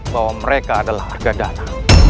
bahwa mereka adalah arkadana